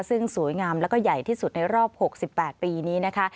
ซึ่งสวยงามแล้วก็ใหญ่ที่สุดในรอบ๖๘ปีนี้นะคะ